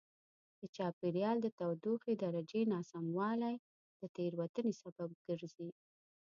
د چاپېریال د تودوخې درجې ناسموالی د تېروتنې سبب ګرځي.